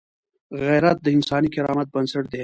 غیرت د انساني کرامت بنسټ دی